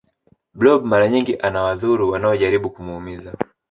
blob mara nyingi anawadhuru wanaojaribu kumuumiza